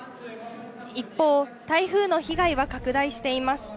一方、台風の被害は拡大しています。